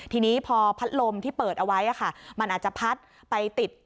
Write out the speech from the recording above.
ทีนี้พอพัดลมที่เปิดเอาไว้มันอาจจะพัดไปติด